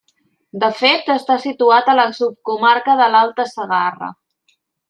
De fet està situat a la subcomarca de l'Alta Segarra.